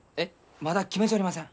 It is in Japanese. まだ決めちょりません。